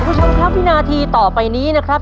คุณผู้ชมครับวินาทีต่อไปนี้นะครับ